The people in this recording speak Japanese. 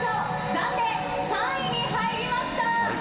暫定３位に入りました。